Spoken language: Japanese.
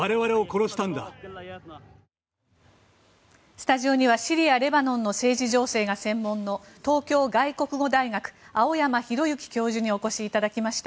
スタジオにはシリア、レバノンの政治情報が専門の東京外国語大学青山弘之教授にお越しいただきました。